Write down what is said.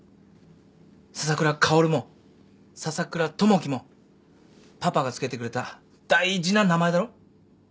笹倉薫も笹倉友樹もパパが付けてくれた大事な名前だろ？